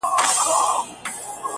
مړ مي مړوند دی؛